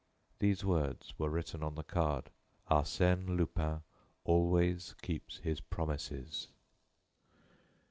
These words were written on the card: "Arsène Lupin always keeps his promises."